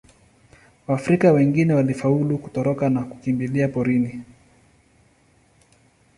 Waafrika wengine walifaulu kutoroka na kukimbia porini.